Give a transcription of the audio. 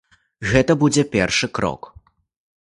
Гэта будзе першы крок.